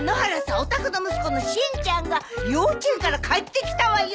お宅の息子のしんちゃんが幼稚園から帰ってきたわよ！